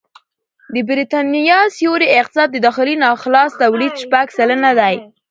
د بریتانیا سیوري اقتصاد د داخلي ناخالص توليد شپږ سلنه دی